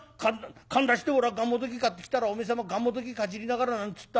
かんだしておらがんもどき買ってきたらおめえ様がんもどきかじりながら何つった？